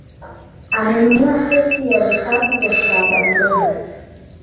Amenunua seti ya vitabu vya Shaaban Robert